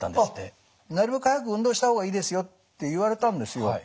なるべく早く運動した方がいいですよって言われたんですよ。